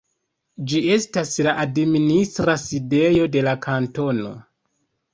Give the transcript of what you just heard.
Ĝi estas la administra sidejo de la kantono.